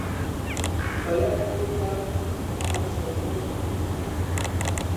فەلەک تۆی دا کە ئەمشەو ڕۆژمان بووی